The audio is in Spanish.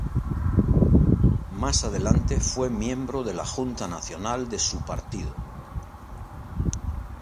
Más adelante, fue miembro de la Junta Nacional de su partido.